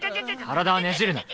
体はねじるな。